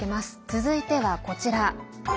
続いてはこちら。